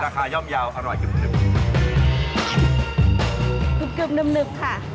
เกือบนึบค่ะ